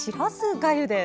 がゆです。